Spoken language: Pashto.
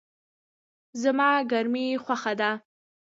زما ګرمی خوښه ده